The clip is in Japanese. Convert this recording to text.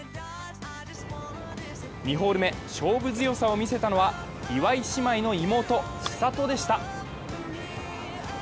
２ホール目、勝負強さを見せたのは，岩井姉妹の妹、千怜でした。